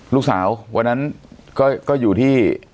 ลูกสาววันนั้นก็อยู่ที่